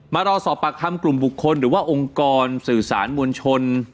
มารอสอบปากคำกลุ่มบุคคลหรือว่าองค์กรสื่อสารมวลชน